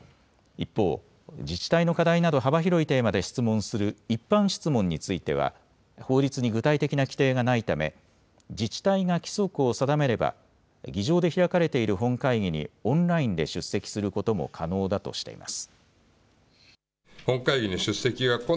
一方、自治体の課題など幅広いテーマで質問する一般質問については法律に具体的な規定がないため自治体が規則を定めれば議場で開かれている本会議にオンラインで出席することも可能だとしています。